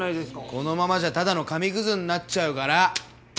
このままじゃただの紙くずになっちゃうから！